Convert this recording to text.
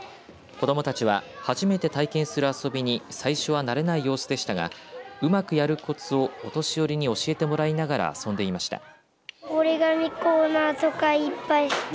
子どもたちは初めて体験する遊びに最初は慣れない様子でしたがうまくやるコツをお年寄りに教えてもらいながら遊んでいました。